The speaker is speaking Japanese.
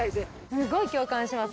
すごい共感します。